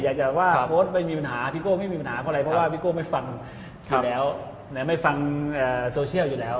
อยากจะว่าโพสต์ไม่มีปัญหาพี่โก้ไม่มีปัญหาเพราะอะไรเพราะว่าพี่โก้ไม่ฟังอยู่แล้วไม่ฟังโซเชียลอยู่แล้ว